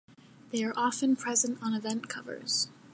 They are often present on event covers.